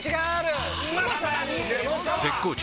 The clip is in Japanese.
絶好調！！